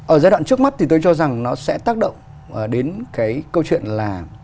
ở giai đoạn trước mắt thì tôi cho rằng nó sẽ tác động đến cái câu chuyện là